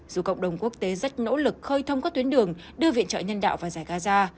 dù cộng đồng quốc tế rất nỗ lực khơi thông các tuyến đường đưa viện trợ nhân đạo vào giải gaza